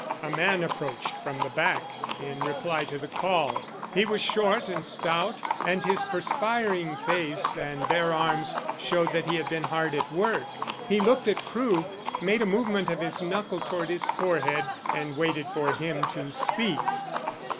A man approached from the back in reply to the call. He was short and stout, and his perspiring face and bare arms showed that he had been hard at work. He looked at Crewe, made a movement of his knuckle towards his forehead, and waited for him to speak.